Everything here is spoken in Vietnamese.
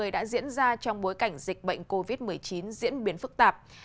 đã diễn ra trong bối cảnh dịch bệnh covid một mươi chín diễn biến phức tạp